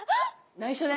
ないしょね。